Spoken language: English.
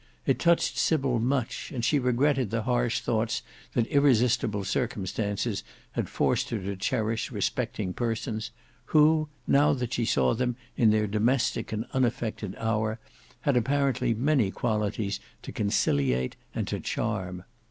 It touched Sybil much, and she regretted the harsh thoughts that irresistible circumstances had forced her to cherish respecting persons, who, now that she saw them in their domestic and unaffected hour, had apparently many qualities to conciliate and to charm.